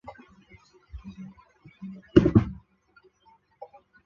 参赛者年龄必须六岁或以上。